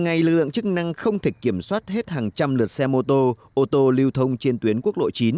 kinh năng không thể kiểm soát hết hàng trăm lượt xe mô tô ô tô lưu thông trên tuyến quốc lộ chín